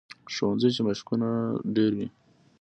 ښوونځی کې مشقونه ډېر وي